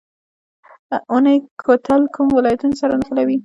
اونی کوتل کوم ولایتونه سره نښلوي؟